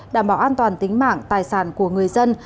đảm bảo an toàn tính mạng tài sản của người dân